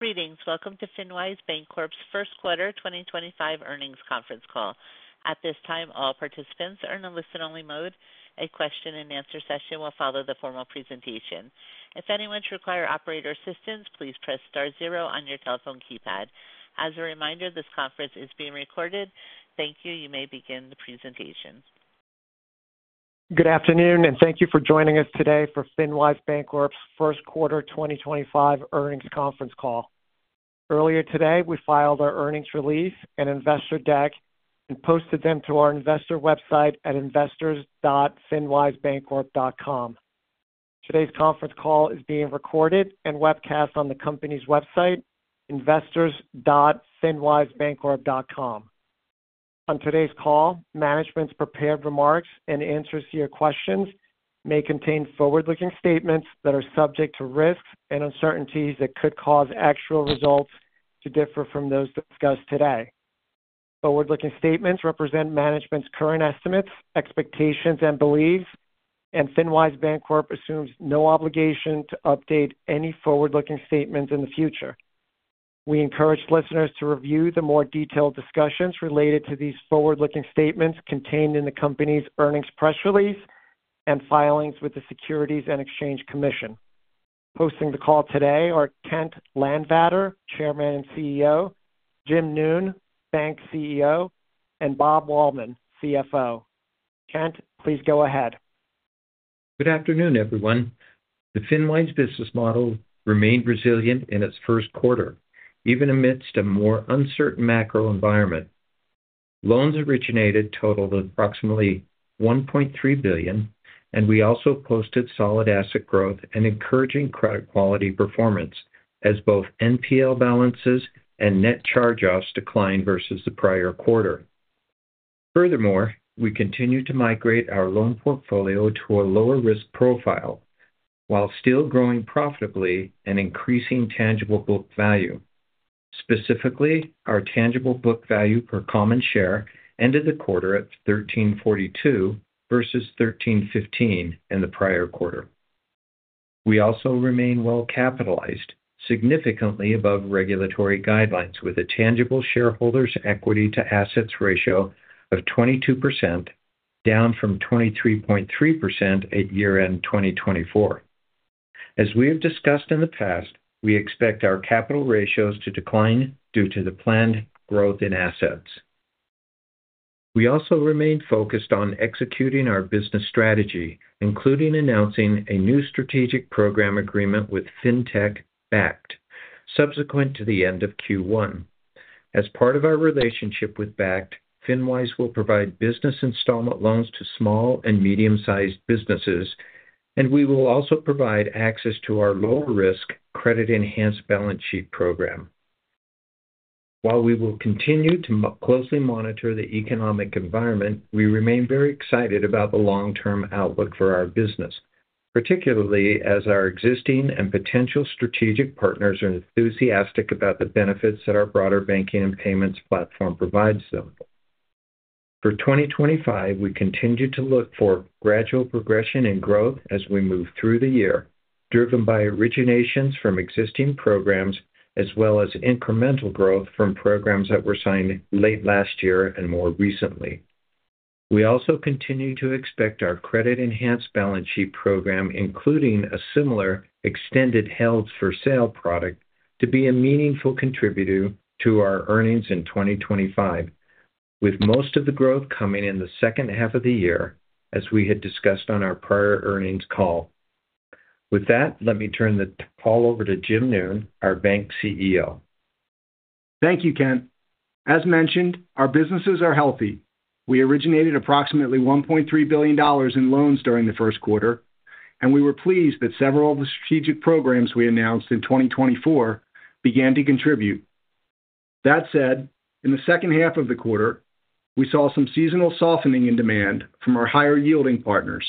Greetings. Welcome to FinWise Bancorp's First Quarter 2025 Earnings Conference Call. At this time, all participants are in a listen-only mode. A question-and-answer session will follow the formal presentation. If anyone should require operator assistance, please press star zero on your telephone keypad. As a reminder, this conference is being recorded. Thank you. You may begin the presentation. Good afternoon, and thank you for joining us today for FinWise Bancorp's First Quarter 2025 Earnings Conference Call. Earlier today, we filed our earnings release and investor deck and posted them to our investor website at investors.finwisebancorp.com. Today's conference call is being recorded and webcast on the company's website, investors.finwisebancorp.com. On today's call, management's prepared remarks and answers to your questions may contain forward-looking statements that are subject to risks and uncertainties that could cause actual results to differ from those discussed today. Forward-looking statements represent management's current estimates, expectations, and beliefs, and FinWise Bancorp assumes no obligation to update any forward-looking statements in the future. We encourage listeners to review the more detailed discussions related to these forward-looking statements contained in the company's earnings press release and filings with the Securities and Exchange Commission. Hosting the call today are Kent Landvatter, Chairman and CEO, Jim Noone, Bank CEO, and Bob Wahlman, CFO. Kent, please go ahead. Good afternoon, everyone. The FinWise business model remained resilient in its first quarter, even amidst a more uncertain macro environment. Loans originated totaled approximately $1.3 billion, and we also posted solid asset growth and encouraging credit quality performance as both NPL balances and net charge-offs declined versus the prior quarter. Furthermore, we continue to migrate our loan portfolio to a lower-risk profile while still growing profitably and increasing tangible book value. Specifically, our tangible book value per common share ended the quarter at $13.42 versus $13.15 in the prior quarter. We also remain well-capitalized, significantly above regulatory guidelines, with a tangible shareholders' equity-to-assets ratio of 22%, down from 23.3% at year-end 2024. As we have discussed in the past, we expect our capital ratios to decline due to the planned growth in assets. We also remain focused on executing our business strategy, including announcing a new strategic program agreement with FinTech, Backd, subsequent to the end of Q1. As part of our relationship with Backd, FinWise will provide business installment loans to small and medium-sized businesses, and we will also provide access to our lower-risk credit-enhanced balance sheet program. While we will continue to closely monitor the economic environment, we remain very excited about the long-term outlook for our business, particularly as our existing and potential strategic partners are enthusiastic about the benefits that our broader banking and payments platform provides them. For 2025, we continue to look for gradual progression and growth as we move through the year, driven by originations from existing programs as well as incremental growth from programs that were signed late last year and more recently. We also continue to expect our credit-enhanced balance sheet program, including a similar extended held-for-sale product, to be a meaningful contributor to our earnings in 2025, with most of the growth coming in the second half of the year, as we had discussed on our prior earnings call. With that, let me turn the call over to Jim Noone, our Bank CEO. Thank you, Kent. As mentioned, our businesses are healthy. We originated approximately $1.3 billion in loans during the first quarter, and we were pleased that several of the strategic programs we announced in 2024 began to contribute. That said, in the second half of the quarter, we saw some seasonal softening in demand from our higher-yielding partners,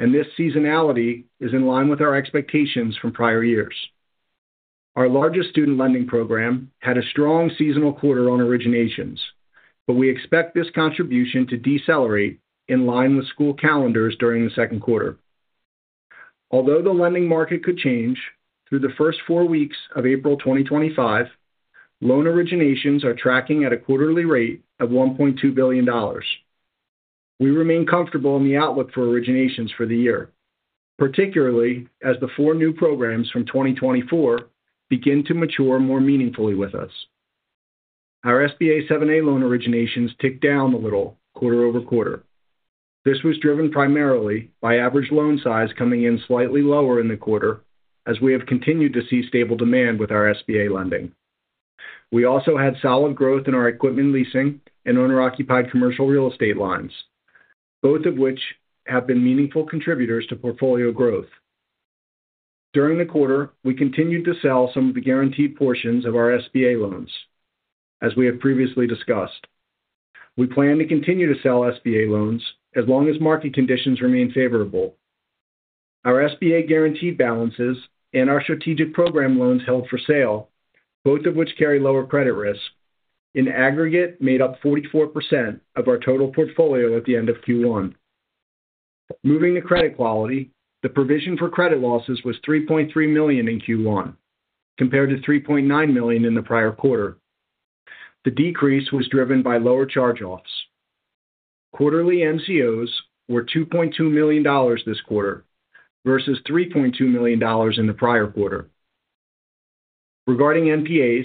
and this seasonality is in line with our expectations from prior years. Our largest student lending program had a strong seasonal quarter on originations, but we expect this contribution to decelerate in line with school calendars during the second quarter. Although the lending market could change through the first four weeks of April 2025, loan originations are tracking at a quarterly rate of $1.2 billion. We remain comfortable in the outlook for originations for the year, particularly as the four new programs from 2024 begin to mature more meaningfully with us. Our SBA 7(a) loan originations ticked down a little quarter-over-quarter. This was driven primarily by average loan size coming in slightly lower in the quarter, as we have continued to see stable demand with our SBA lending. We also had solid growth in our equipment leasing and owner-occupied commercial real estate lines, both of which have been meaningful contributors to portfolio growth. During the quarter, we continued to sell some of the guaranteed portions of our SBA loans, as we have previously discussed. We plan to continue to sell SBA loans as long as market conditions remain favorable. Our SBA guaranteed balances and our strategic program loans held for sale, both of which carry lower credit risk, in aggregate made up 44% of our total portfolio at the end of Q1. Moving to credit quality, the provision for credit losses was $3.3 million in Q1, compared to $3.9 million in the prior quarter. The decrease was driven by lower charge-offs. Quarterly NCOs were $2.2 million this quarter versus $3.2 million in the prior quarter. Regarding NPAs,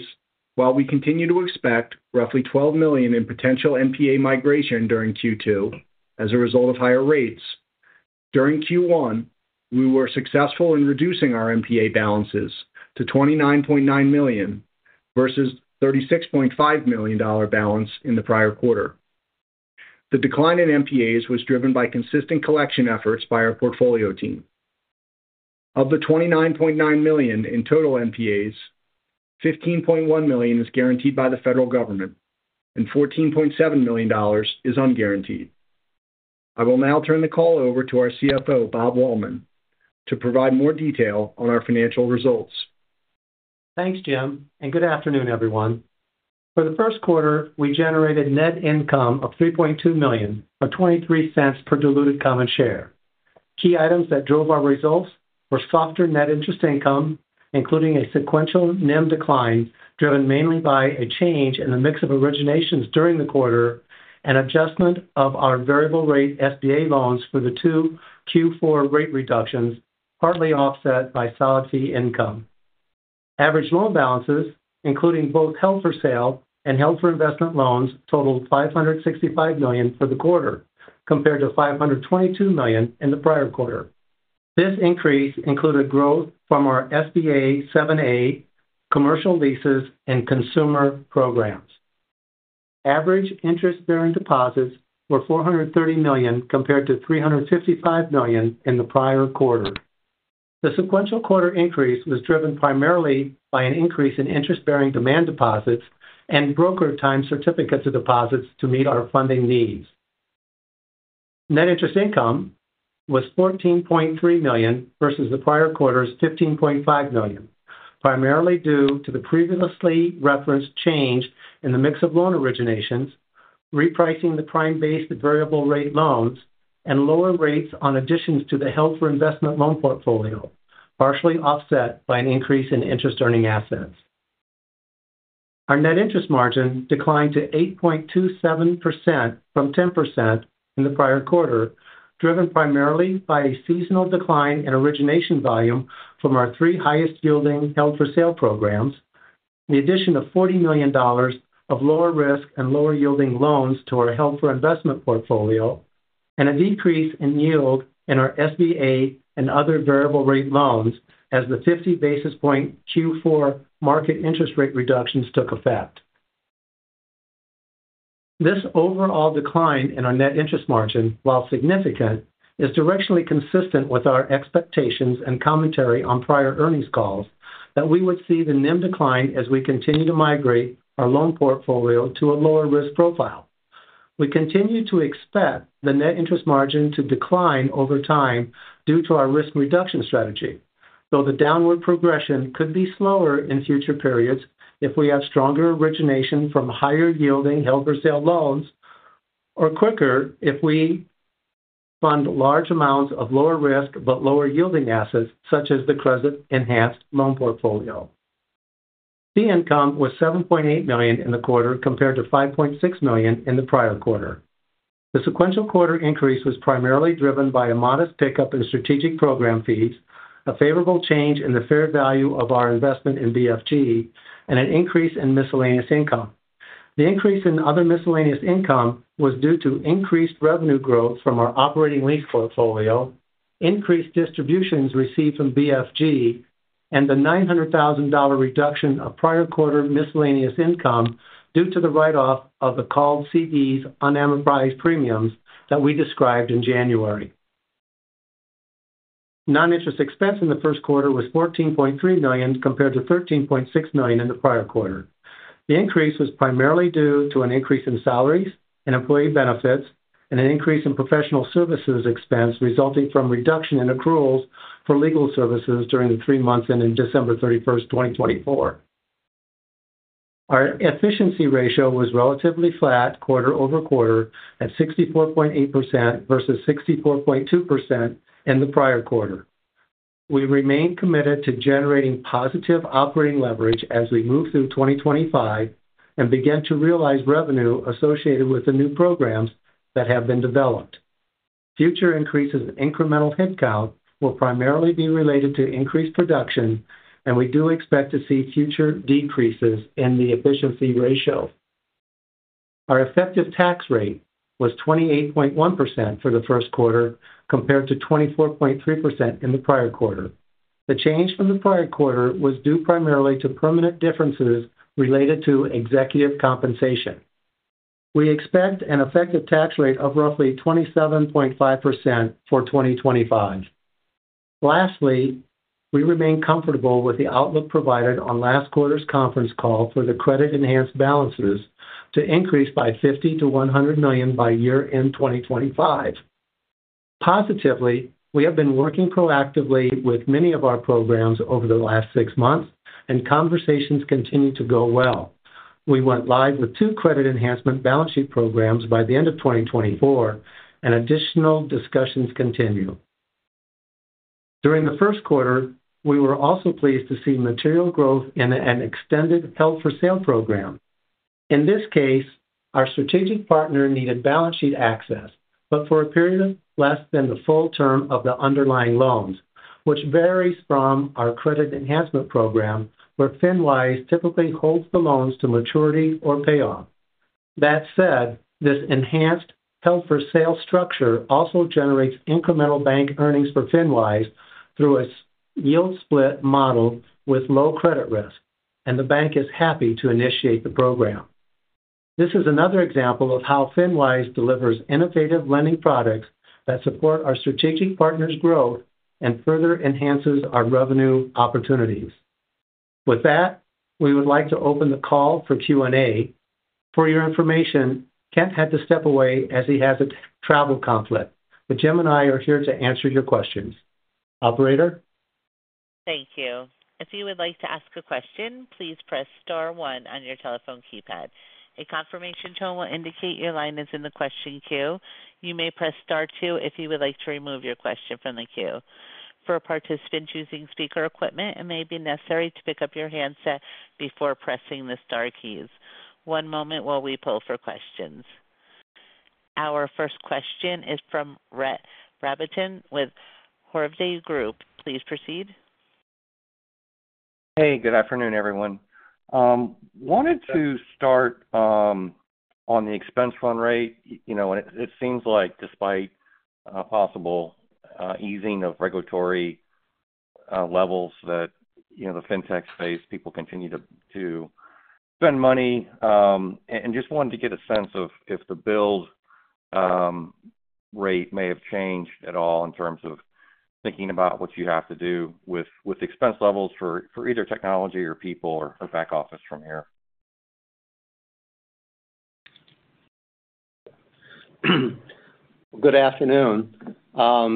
while we continue to expect roughly $12 million in potential NPA migration during Q2 as a result of higher rates, during Q1, we were successful in reducing our NPA balances to $29.9 million versus a $36.5 million balance in the prior quarter. The decline in NPAs was driven by consistent collection efforts by our portfolio team. Of the $29.9 million in total NPAs, $15.1 million is guaranteed by the federal government, and $14.7 million is unguaranteed. I will now turn the call over to our CFO, Bob Wahlman, to provide more detail on our financial results. Thanks, Jim. Good afternoon, everyone. For the first quarter, we generated net income of $3.2 million, or $0.23 per diluted common share. Key items that drove our results were softer net interest income, including a sequential NIM decline driven mainly by a change in the mix of originations during the quarter and adjustment of our variable-rate SBA 7(a) loans for the two Q4 rate reductions, partly offset by solid fee income. Average loan balances, including both held-for-sale and held-for-investment loans, totaled $565 million for the quarter, compared to $522 million in the prior quarter. This increase included growth from our SBA 7(a), commercial leases, and consumer programs. Average interest-bearing deposits were $430 million, compared to $355 million in the prior quarter. The sequential quarter increase was driven primarily by an increase in interest-bearing demand deposits and brokered time certificates of deposits to meet our funding needs. Net interest income was $14.3 million versus the prior quarter's $15.5 million, primarily due to the previously referenced change in the mix of loan originations, repricing the prime-based variable-rate loans, and lower rates on additions to the held-for-investment loan portfolio, partially offset by an increase in interest-earning assets. Our net interest margin declined to 8.27% from 10% in the prior quarter, driven primarily by a seasonal decline in origination volume from our three highest-yielding held-for-sale programs, the addition of $40 million of lower-risk and lower-yielding loans to our held-for-investment portfolio, and a decrease in yield in our SBA and other variable-rate loans as the 50-basis-point Q4 market interest rate reductions took effect. This overall decline in our net interest margin, while significant, is directionally consistent with our expectations and commentary on prior earnings calls that we would see the NIM decline as we continue to migrate our loan portfolio to a lower-risk profile. We continue to expect the net interest margin to decline over time due to our risk-reduction strategy, though the downward progression could be slower in future periods if we have stronger origination from higher-yielding held-for-sale loans or quicker if we fund large amounts of lower-risk but lower-yielding assets, such as the credit-enhanced loan portfolio. Fee income was $7.8 million in the quarter, compared to $5.6 million in the prior quarter. The sequential quarter increase was primarily driven by a modest pickup in strategic program fees, a favorable change in the fair value of our investment in BFG, and an increase in miscellaneous income. The increase in other miscellaneous income was due to increased revenue growth from our operating lease portfolio, increased distributions received from BFG, and the $900,000 reduction of prior quarter miscellaneous income due to the write-off of the called CDs unamortized premiums that we described in January. Non-interest expense in the first quarter was $14.3 million, compared to $13.6 million in the prior quarter. The increase was primarily due to an increase in salaries and employee benefits and an increase in professional services expense resulting from reduction in accruals for legal services during the three months ending December 31st, 2024. Our efficiency ratio was relatively flat quarter-over-quarter at 64.8% versus 64.2% in the prior quarter. We remain committed to generating positive operating leverage as we move through 2025 and begin to realize revenue associated with the new programs that have been developed. Future increases in incremental headcount will primarily be related to increased production, and we do expect to see future decreases in the efficiency ratio. Our effective tax rate was 28.1% for the first quarter, compared to 24.3% in the prior quarter. The change from the prior quarter was due primarily to permanent differences related to executive compensation. We expect an effective tax rate of roughly 27.5% for 2025. Lastly, we remain comfortable with the outlook provided on last quarter's conference call for the credit-enhanced balances to increase by $50-$100 million by year-end 2025. Positively, we have been working proactively with many of our programs over the last six months, and conversations continue to go well. We went live with two credit enhancement balance sheet programs by the end of 2024, and additional discussions continue. During the first quarter, we were also pleased to see material growth in an extended held-for-sale program. In this case, our strategic partner needed balance sheet access, but for a period of less than the full term of the underlying loans, which varies from our credit enhancement program, where FinWise typically holds the loans to maturity or payoff. That said, this enhanced held-for-sale structure also generates incremental bank earnings for FinWise through a yield split model with low credit risk, and the bank is happy to initiate the program. This is another example of how FinWise delivers innovative lending products that support our strategic partner's growth and further enhances our revenue opportunities. With that, we would like to open the call for Q&A. For your information, Kent had to step away as he has a travel conflict, but Jim and I are here to answer your questions. Operator? Thank you. If you would like to ask a question, please press star one on your telephone keypad. A confirmation tone will indicate your line is in the question queue. You may press star two if you would like to remove your question from the queue. For participants using speaker equipment, it may be necessary to pick up your handset before pressing the star keys. One moment while we pull for questions. Our first question is from Brett Rabatin with Hovde Group. Please proceed. Hey, good afternoon, everyone. I wanted to start on the expense run rate. You know, it seems like, despite a possible easing of regulatory levels, that the fintech space, people continue to spend money. And just wanted to get a sense of if the build rate may have changed at all in terms of thinking about what you have to do with expense levels for either technology or people or back office from here? Good afternoon.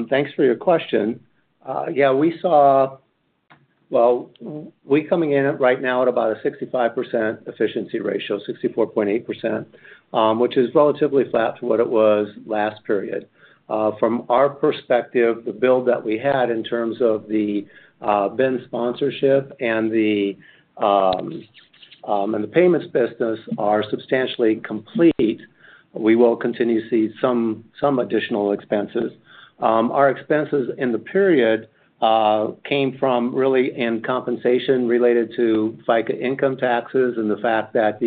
Thanks for your question. Yeah, we saw, well, we're coming in right now at about a 65% efficiency ratio, 64.8%, which is relatively flat to what it was last period. From our perspective, the build that we had in terms of the BIN sponsorship and the payments business are substantially complete. We will continue to see some additional expenses. Our expenses in the period came from really in compensation related to FICA income taxes and the fact that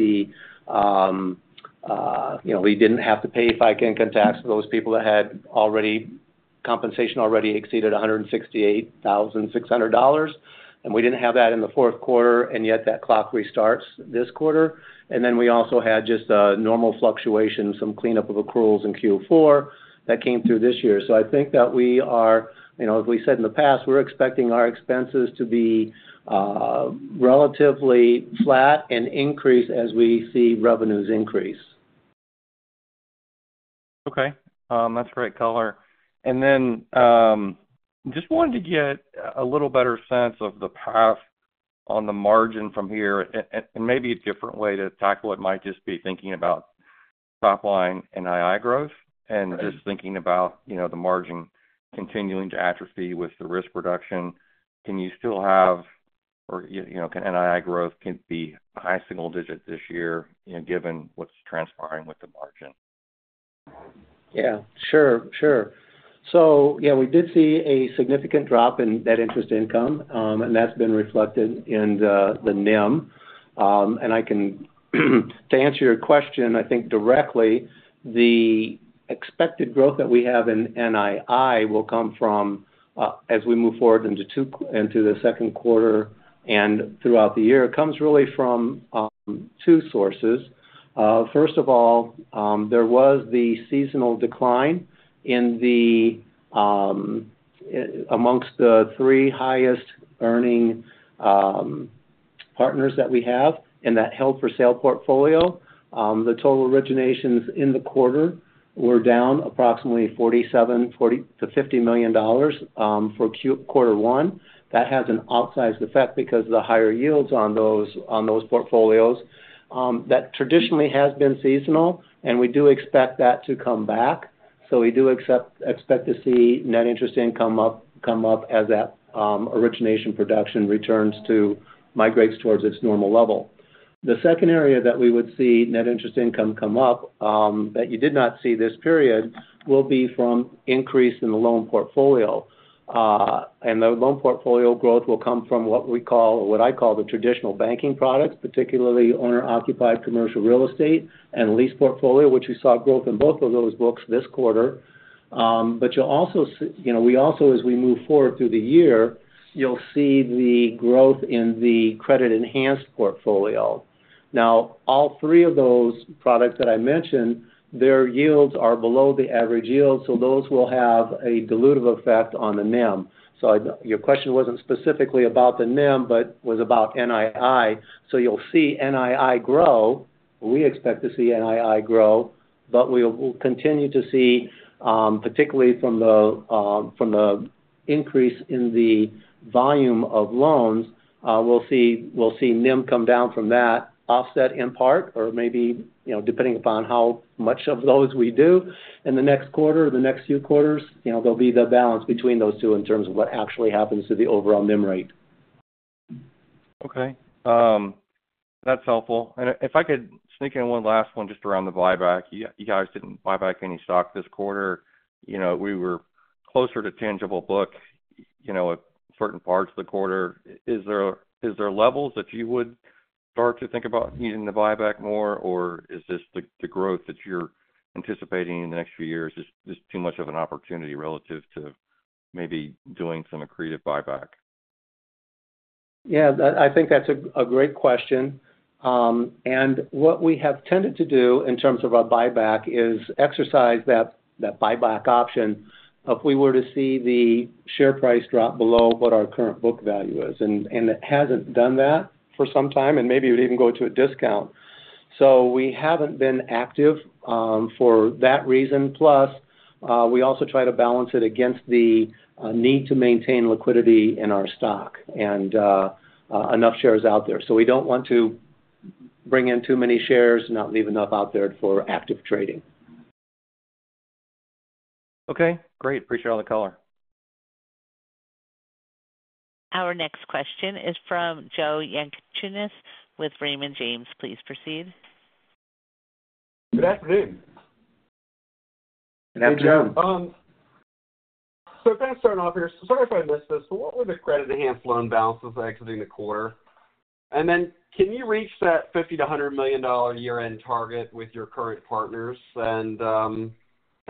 we didn't have to pay FICA income tax for those people that had already compensation already exceeded $168,600. We didn't have that in the fourth quarter, yet that clock restarts this quarter. We also had just a normal fluctuation, some cleanup of accruals in Q4 that came through this year. I think that we are, as we said in the past, we're expecting our expenses to be relatively flat and increase as we see revenues increase. Okay. That's great color. I just wanted to get a little better sense of the path on the margin from here and maybe a different way to tackle it might just be thinking about top-line NII growth and just thinking about the margin continuing to atrophy with the risk reduction. Can you still have, or can NII growth be high single digits this year, given what's transpiring with the margin? Yeah, sure, sure. Yeah, we did see a significant drop in net interest income, and that's been reflected in the NIM. To answer your question, I think directly, the expected growth that we have in NII will come from, as we move forward into the second quarter and throughout the year, comes really from two sources. First of all, there was the seasonal decline amongst the three highest-earning partners that we have in that held-for-sale portfolio. The total originations in the quarter were down approximately $47 million-$50 million for quarter one. That has an outsized effect because of the higher yields on those portfolios that traditionally have been seasonal, and we do expect that to come back. We do expect to see net interest income come up as that origination production returns to migrate towards its normal level. The second area that we would see net interest income come up that you did not see this period will be from increase in the loan portfolio. The loan portfolio growth will come from what we call, or what I call, the traditional banking products, particularly owner-occupied commercial real estate and lease portfolio, which we saw growth in both of those books this quarter. You will also, as we move forward through the year, see the growth in the credit-enhanced portfolio. Now, all three of those products that I mentioned, their yields are below the average yield, so those will have a dilutive effect on the NIM. Your question was not specifically about the NIM, but was about NII. You will see NII grow. We expect to see NII grow, but we will continue to see, particularly from the increase in the volume of loans, we'll see NIM come down from that offset in part, or maybe depending upon how much of those we do in the next quarter or the next few quarters, there'll be the balance between those two in terms of what actually happens to the overall NIM rate. Okay. That's helpful. If I could sneak in one last one just around the buyback. You guys did not buy back any stock this quarter. We were closer to tangible book at certain parts of the quarter. Is there levels that you would start to think about needing the buyback more, or is this the growth that you're anticipating in the next few years just too much of an opportunity relative to maybe doing some accretive buyback? Yeah, I think that's a great question. What we have tended to do in terms of our buyback is exercise that buyback option if we were to see the share price drop below what our current book value is. It hasn't done that for some time, and maybe it would even go to a discount. We haven't been active for that reason. Plus, we also try to balance it against the need to maintain liquidity in our stock and enough shares out there. We don't want to bring in too many shares and not leave enough out there for active trading. Okay. Great. Appreciate all the color. Our next question is from Joe Yanchunis with Raymond James. Please proceed. Good afternoon. Good afternoon. Good afternoon. I've got to start off here. Sorry if I missed this. What were the credit-enhanced loan balances exiting the quarter? Can you reach that $50 million-$100 million year-end target with your current partners?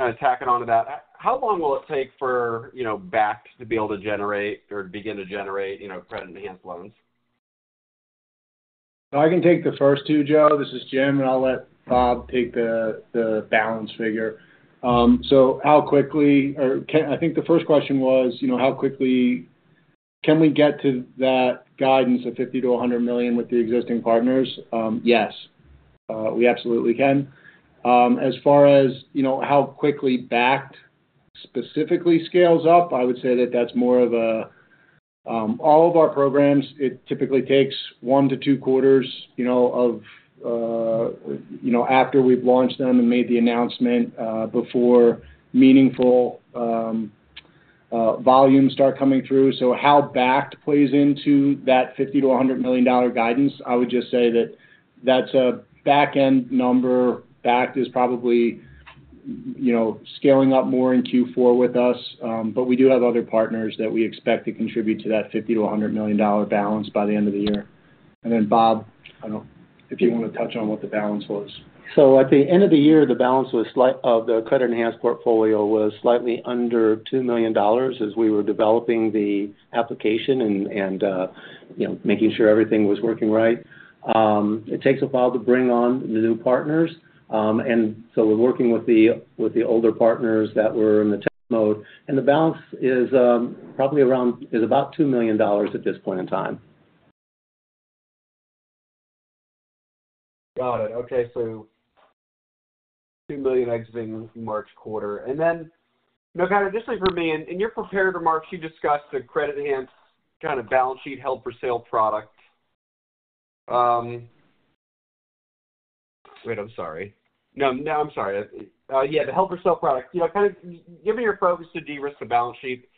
Kind of tacking on to that, how long will it take for Backd to be able to generate or begin to generate credit-enhanced loans? I can take the first two, Joe. This is Jim, and I'll let Bob take the balance figure. How quickly, or I think the first question was, how quickly can we get to that guidance of $50 million-$100 million with the existing partners? Yes, we absolutely can. As far as how quickly Backd specifically scales up, I would say that with all of our programs, it typically takes one to two quarters after we've launched them and made the announcement before meaningful volumes start coming through. How Backd plays into that $50 million-$100 million guidance, I would just say that that's a back-end number. Backd is probably scaling up more in Q4 with us, but we do have other partners that we expect to contribute to that $50 million-$100 million balance by the end of the year. Bob, I don't know if you want to touch on what the balance was. At the end of the year, the balance of the credit-enhanced portfolio was slightly under $2 million as we were developing the application and making sure everything was working right. It takes a while to bring on the new partners. We are working with the older partners that were in the test mode. The balance is probably around $2 million at this point in time. Got it. Okay. So $2 million exiting March quarter. And then kind of just for me, in your prepared remarks, you discussed the credit-enhanced kind of balance sheet held-for-sale product. Wait, I'm sorry. No, no, I'm sorry. Yeah, the held-for-sale product. Kind of given your focus to de-risk the balance sheet,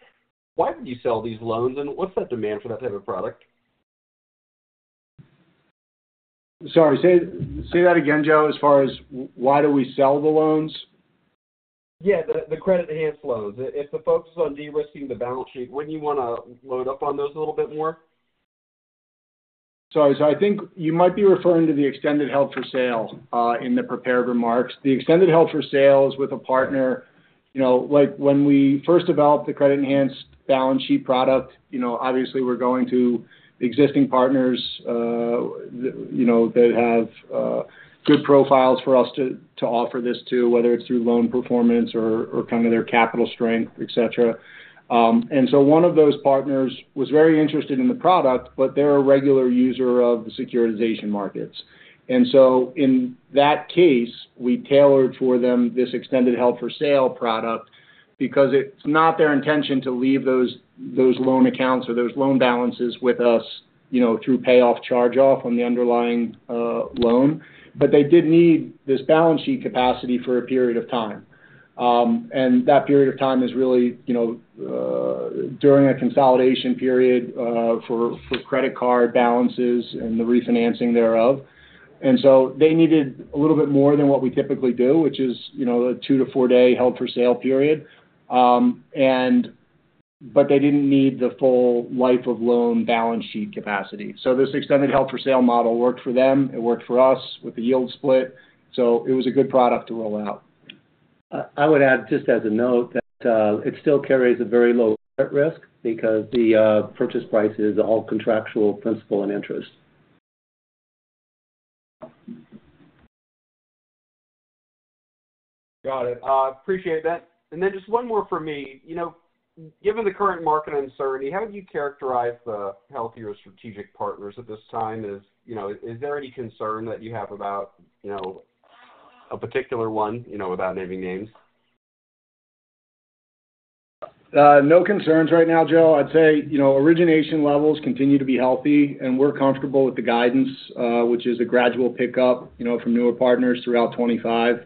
why would you sell these loans? And what's that demand for that type of product? Sorry. Say that again, Joe. As far as why do we sell the loans? Yeah, the credit-enhanced loans. If the focus is on de-risking the balance sheet, wouldn't you want to load up on those a little bit more? Sorry. I think you might be referring to the extended held-for-sale in the prepared remarks. The extended held-for-sale is with a partner. When we first developed the credit-enhanced balance sheet product, obviously, we're going to existing partners that have good profiles for us to offer this to, whether it's through loan performance or kind of their capital strength, etc. One of those partners was very interested in the product, but they're a regular user of the securitization markets. In that case, we tailored for them this extended held-for-sale product because it's not their intention to leave those loan accounts or those loan balances with us through payoff charge-off on the underlying loan. They did need this balance sheet capacity for a period of time. That period of time is really during a consolidation period for credit card balances and the refinancing thereof. They needed a little bit more than what we typically do, which is a two to four day held-for-sale period. They did not need the full life of loan balance sheet capacity. This extended held-for-sale model worked for them. It worked for us with the yield split. It was a good product to roll out. I would add just as a note that it still carries a very low credit risk because the purchase price is all contractual principal and interest. Got it. Appreciate that. Just one more for me. Given the current market uncertainty, how would you characterize the healthier strategic partners at this time? Is there any concern that you have about a particular one, without naming names? No concerns right now, Joe. I'd say origination levels continue to be healthy, and we're comfortable with the guidance, which is a gradual pickup from newer partners throughout 2025.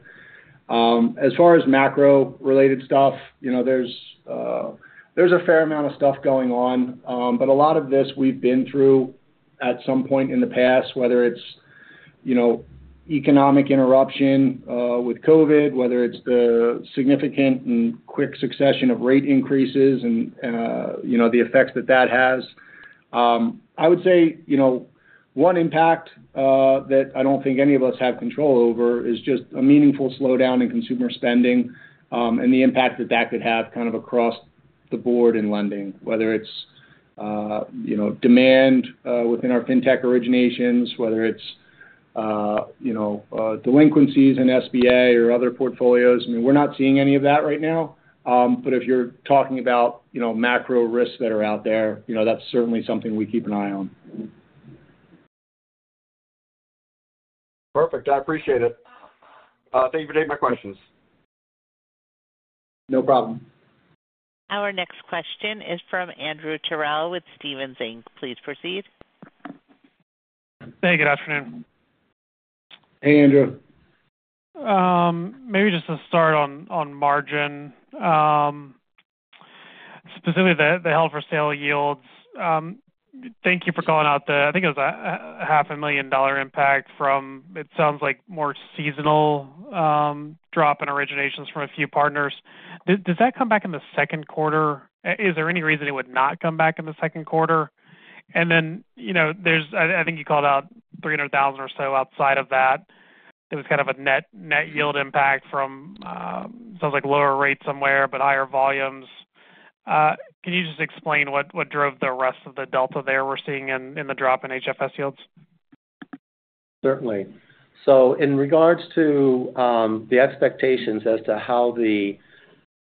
As far as macro-related stuff, there's a fair amount of stuff going on. A lot of this we've been through at some point in the past, whether it's economic interruption with COVID, whether it's the significant and quick succession of rate increases and the effects that that has. I would say one impact that I don't think any of us have control over is just a meaningful slowdown in consumer spending and the impact that that could have kind of across the board in lending, whether it's demand within our fintech originations, whether it's delinquencies in SBA or other portfolios. I mean, we're not seeing any of that right now. If you're talking about macro risks that are out there, that's certainly something we keep an eye on. Perfect. I appreciate it. Thank you for taking my questions. No problem. Our next question is from Andrew Terrell with Stephens Inc. Please proceed. Hey, good afternoon. Hey, Andrew. Maybe just to start on margin, specifically the held-for-sale yields. Thank you for calling out the, I think it was a $500,000 impact from, it sounds like, more seasonal drop in originations from a few partners. Does that come back in the second quarter? Is there any reason it would not come back in the second quarter? I think you called out $300,000 or so outside of that. There was kind of a net yield impact from, it sounds like, lower rates somewhere, but higher volumes. Can you just explain what drove the rest of the delta there we're seeing in the drop in HFS yields? Certainly. In regards to the expectations as to how the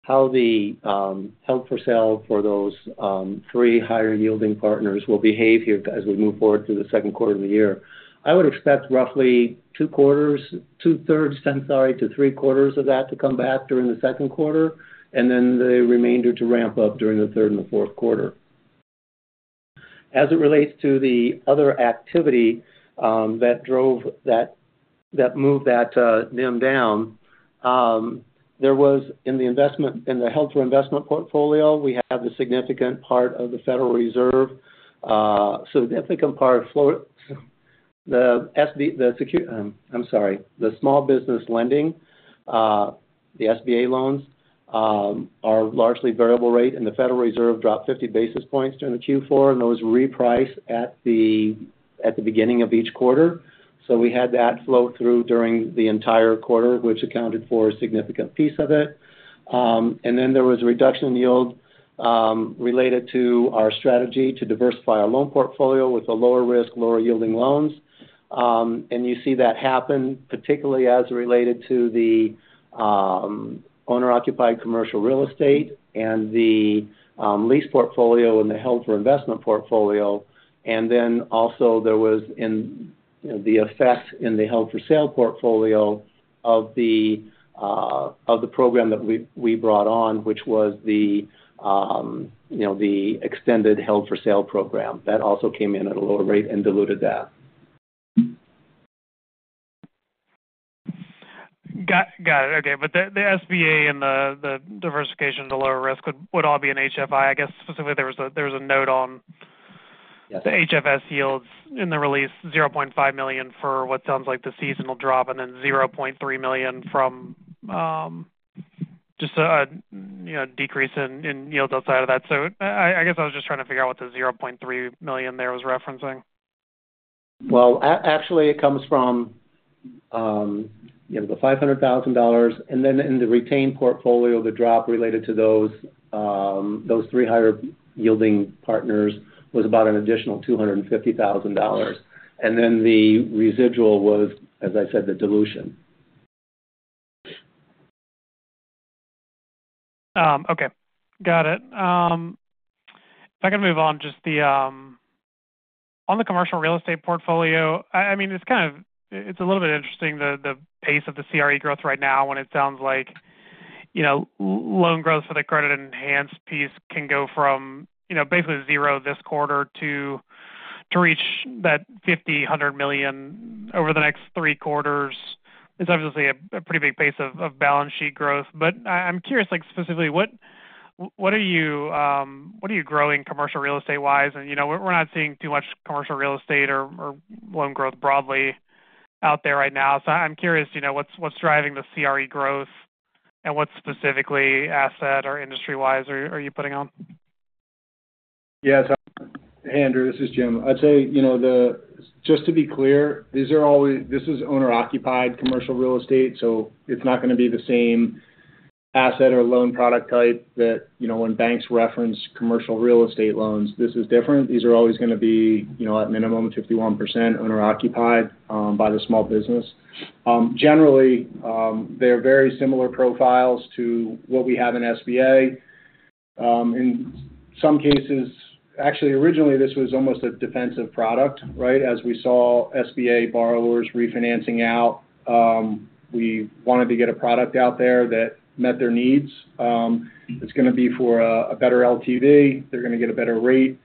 held-for-sale for those three higher-yielding partners will behave here as we move forward through the second quarter of the year, I would expect roughly two-thirds to three-quarters of that to come back during the second quarter, and then the remainder to ramp up during the third and the fourth quarter. As it relates to the other activity that moved that NIM down, there was in the held-for-investment portfolio, we have the significant part of the Federal Reserve. Significant part of the, I'm sorry, the small business lending, the SBA loans, are largely variable rate. The Federal Reserve dropped 50 basis points during the Q4, and those repriced at the beginning of each quarter. We had that flow through during the entire quarter, which accounted for a significant piece of it. There was a reduction in yield related to our strategy to diversify our loan portfolio with the lower-risk, lower-yielding loans. You see that happen, particularly as it related to the owner-occupied commercial real estate and the lease portfolio and the held-for-investment portfolio. There was also the effect in the held-for-sale portfolio of the program that we brought on, which was the extended held-for-sale program. That also came in at a lower rate and diluted that. Got it. Okay. But the SBA and the diversification to lower risk would all be in HFI. I guess specifically there was a note on the HFS yields in the release, $0.5 million for what sounds like the seasonal drop, and then $0.3 million from just a decrease in yield outside of that. I guess I was just trying to figure out what the $0.3 million there was referencing. Actually, it comes from the $500,000. In the retained portfolio, the drop related to those three higher-yielding partners was about an additional $250,000. The residual was, as I said, the dilution. Okay. Got it. If I could move on, just on the Commercial Real Estate portfolio, I mean, it's kind of it's a little bit interesting, the pace of the CRE growth right now, when it sounds like loan growth for the credit-enhanced piece can go from basically zero this quarter to reach that $50 billion over the next three quarters. It's obviously a pretty big pace of balance sheet growth. I'm curious, specifically, what are you growing commercial real estate-wise? We're not seeing too much commercial real estate or loan growth broadly out there right now. I'm curious what's driving the CRE growth and what specifically asset or industry-wise are you putting on? Yeah. Hey, Andrew. This is Jim. I'd say just to be clear, this is owner-occupied commercial real estate. It is not going to be the same asset or loan product type that when banks reference commercial real estate loans. This is different. These are always going to be, at minimum, 51% owner-occupied by the small business. Generally, they are very similar profiles to what we have in SBA. In some cases, actually, originally, this was almost a defensive product, right? As we saw SBA borrowers refinancing out, we wanted to get a product out there that met their needs. It is going to be for a better LTV. They are going to get a better rate.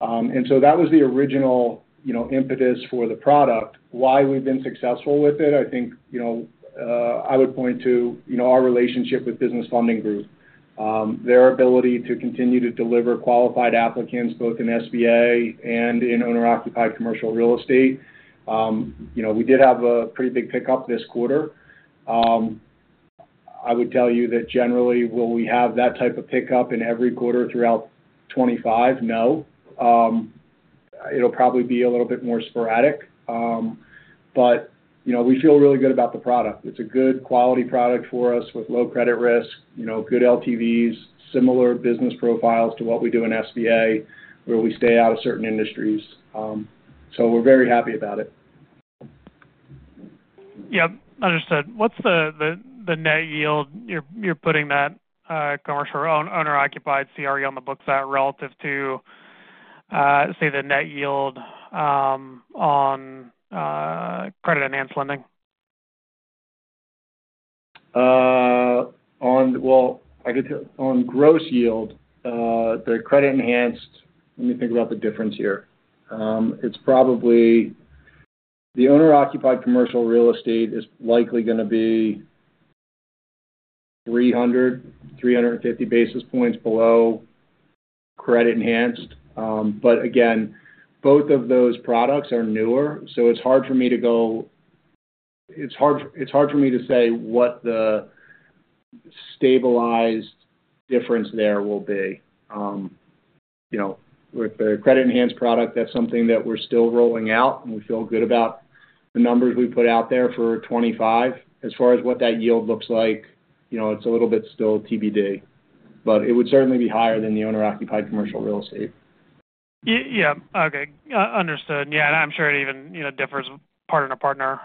That was the original impetus for the product. Why we've been successful with it, I think I would point to our relationship with Business Funding Group, their ability to continue to deliver qualified applicants both in SBA and in owner-occupied commercial real estate. We did have a pretty big pickup this quarter. I would tell you that generally, will we have that type of pickup in every quarter throughout 2025? No. It'll probably be a little bit more sporadic. We feel really good about the product. It's a good quality product for us with low credit risk, good LTVs, similar business profiles to what we do in SBA, where we stay out of certain industries. We are very happy about it. Yeah. Understood. What's the net yield you're putting that commercial owner-occupied CRE on the books at relative to, say, the net yield on credit-enhanced lending? I guess on gross yield, the credit-enhanced let me think about the difference here. The owner-occupied commercial real estate is likely going to be 300-350 basis points below credit-enhanced. Again, both of those products are newer. It's hard for me to go, it's hard for me to say what the stabilized difference there will be. With the credit-enhanced product, that's something that we're still rolling out. We feel good about the numbers we put out there for 2025. As far as what that yield looks like, it's a little bit still TBD. It would certainly be higher than the owner-occupied commercial real estate. Yeah. Okay. Understood. Yeah. I'm sure it even differs partner to partner.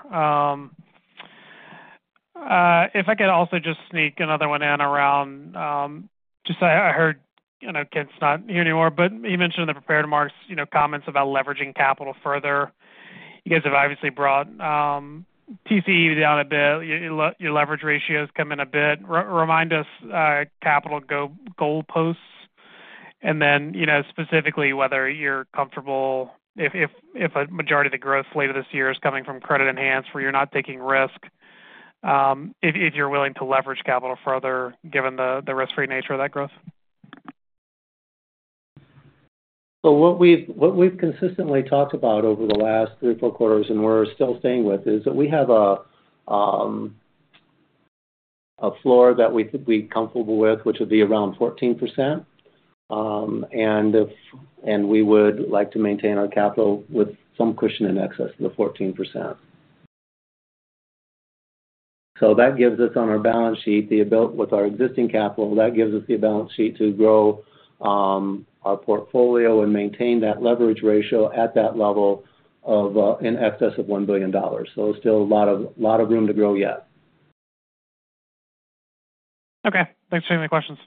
If I could also just sneak another one in around just I heard Kent's not here anymore, but he mentioned in the prepared remarks comments about leveraging capital further. You guys have obviously brought TCE down a bit. Your leverage ratios come in a bit. Remind us capital goalposts. Then specifically whether you're comfortable if a majority of the growth later this year is coming from credit-enhanced where you're not taking risk, if you're willing to leverage capital further given the risk-free nature of that growth. What we've consistently talked about over the last three or four quarters, and we're still staying with, is that we have a floor that we think we're comfortable with, which would be around 14%. We would like to maintain our capital with some cushion in excess of the 14%. That gives us on our balance sheet, with our existing capital, the balance sheet to grow our portfolio and maintain that leverage ratio at that level in excess of $1 billion. Still a lot of room to grow yet. Okay. Thanks for taking my questions.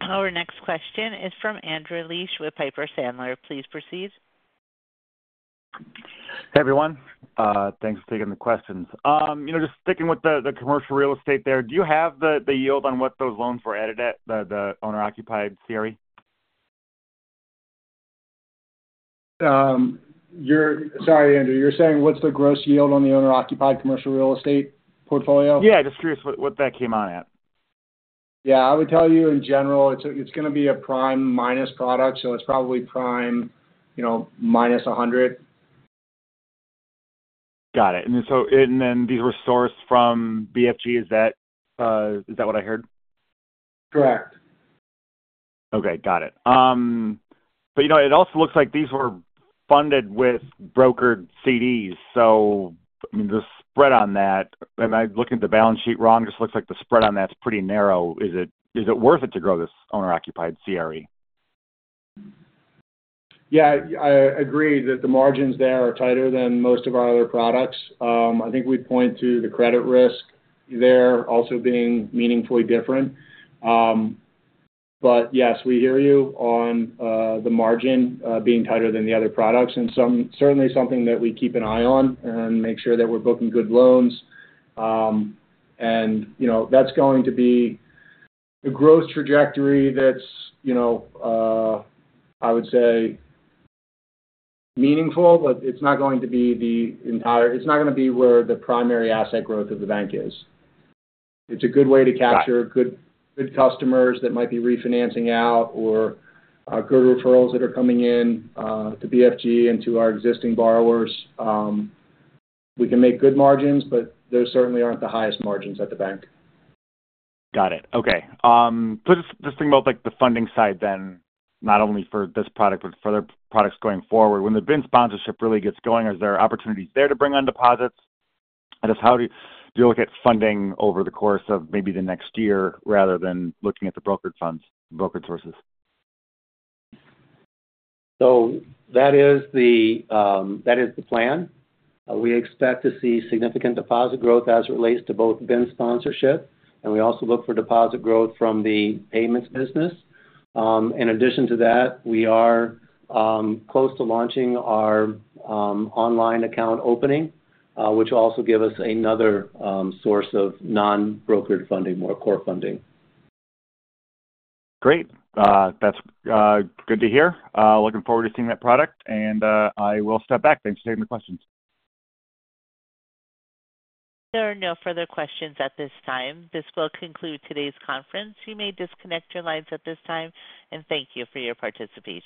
Our next question is from Andrew Liesch with Piper Sandler. Please proceed. Hey, everyone. Thanks for taking the questions. Just sticking with the commercial real estate there, do you have the yield on what those loans were added at, the owner-occupied CRE? Sorry, Andrew. You're saying what's the gross yield on the owner-occupied commercial real estate portfolio? Yeah. Just curious what that came on at. Yeah. I would tell you, in general, it's going to be a prime minus product. So it's probably prime minus 100. Got it. These were sourced from BFG. Is that what I heard? Correct. Okay. Got it. It also looks like these were funded with brokered CDs. I mean, the spread on that, am I looking at the balance sheet wrong? It just looks like the spread on that's pretty narrow. Is it worth it to grow this owner-occupied CRE? Yeah. I agree that the margins there are tighter than most of our other products. I think we'd point to the credit risk there also being meaningfully different. Yes, we hear you on the margin being tighter than the other products. It is certainly something that we keep an eye on and make sure that we're booking good loans. That is going to be a growth trajectory that is, I would say, meaningful, but it is not going to be the entire, it is not going to be where the primary asset growth of the bank is. It is a good way to capture good customers that might be refinancing out or good referrals that are coming in to BFG and to our existing borrowers. We can make good margins, but those certainly are not the highest margins at the bank. Got it. Okay. Just thinking about the funding side then, not only for this product, but for other products going forward, when the BIN sponsorship really gets going, are there opportunities there to bring on deposits? I guess how do you look at funding over the course of maybe the next year rather than looking at the brokered funds, brokered sources? That is the plan. We expect to see significant deposit growth as it relates to both BIN sponsorship, and we also look for deposit growth from the payments business. In addition to that, we are close to launching our online account opening, which will also give us another source of non-brokered funding, more core funding. Great. That's good to hear. Looking forward to seeing that product. I will step back. Thanks for taking the questions. There are no further questions at this time. This will conclude today's conference. You may disconnect your lines at this time. Thank you for your participation.